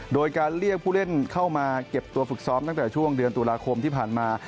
โดยการเรียกผู้เล่นเข้ามาเก็บตัวฝึกซ้อมตั้งแต่ช่วงเดือนตุลาคมที่ผ่านมา